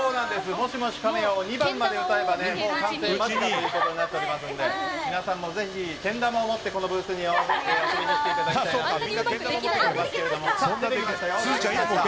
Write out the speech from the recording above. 「もしもしかめよ」を２番まで歌えば完成間近ということになっておりますので皆さんもぜひ、けん玉を持って遊びに来ていただきたいと思います。